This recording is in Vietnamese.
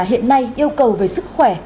hiện nay yêu cầu về sức khỏe